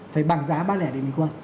phải bằng giá bán lẻ địa bình quân